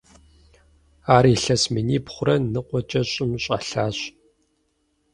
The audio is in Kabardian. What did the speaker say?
Ар илъэс минибгъурэ ныкъуэкӀэ щӀым щӀэлъащ.